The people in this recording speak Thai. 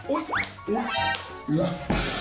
อุ๊ยอุ๊ย